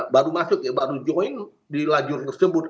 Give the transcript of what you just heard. baru masuk ya baru join di lajur tersebut